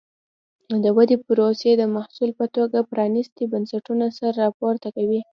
د ودې پروسې د محصول په توګه پرانیستي بنسټونه سر راپورته کوي.